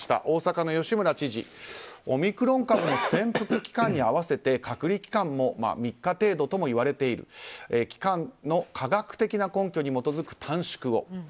大阪の吉村知事、オミクロン株の潜伏期間に合わせて隔離期間も３日程度ともいわれている期間の科学的な根拠に基づく短縮を。